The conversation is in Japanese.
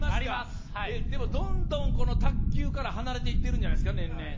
でもどんどん卓球から離れていってるんじゃないですか？